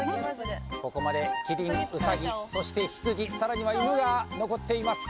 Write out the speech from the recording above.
ここまでキリンウサギそしてヒツジさらにはイヌが残っています